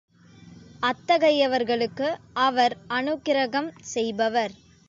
அத்தகையவர்களுக்கு அவர் அநுக்கிரகம் செய்பவர்.